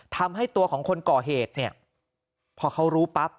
ทำให้ตัวของคนก่อเหตุเนี่ยพอเขารู้ปั๊บ